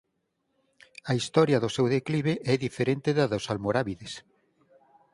A historia do seu declive é diferente da dos almorábides.